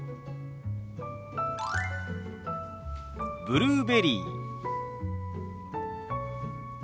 「ブルーベリー」。